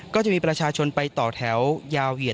ก็จะมีประชาชนไปต่อแถวยาวเหยียด